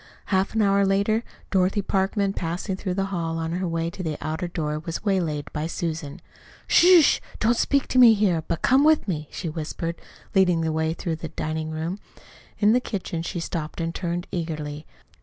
Half an hour later, Dorothy Parkman, passing through the hall on her way to the outer door, was waylaid by Susan. "Sh h! Don't speak here, but come with me," she whispered, leading the way through the diningroom. In the kitchen she stopped and turned eagerly.